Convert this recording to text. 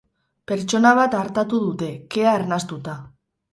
Pertsona bat artatu dute, kea arnastuta.